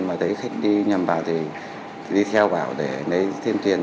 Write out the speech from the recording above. mà thấy khách đi nhằm vào thì đi theo bảo để lấy thêm tiền